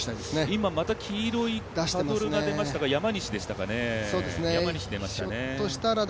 今また黄色いパドルが出ましたが、山西でしたか。